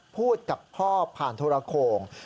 พูดกับพ่อผ่านโทรโขง